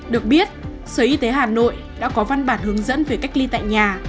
được biết sở y tế hà nội đã có văn bản hướng dẫn về cách ly tại nhà